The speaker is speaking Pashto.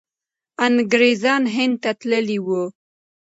انګریزان هند ته تللي وو.